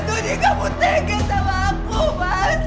doni kamu tega sama aku mas